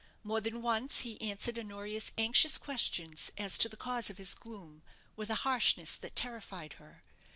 More than once he answered Honoria's anxious questions as to the cause of his gloom with a harshness that terrified her.